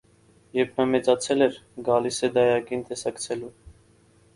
Երբ նա մեծացել էր, գալիս է դայակին տեսակցելու։